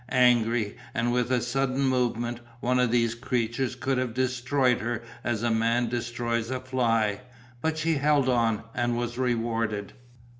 Angry, and with a sudden movement, one of these creatures could have destroyed her as a man destroys a fly; but she held on, and was rewarded.